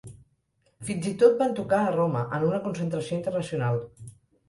Fins i tot van tocar a Roma, en una concentració internacional.